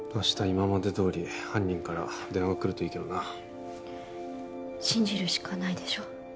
今までどおり犯人から電話来るといいけどな信じるしかないでしょ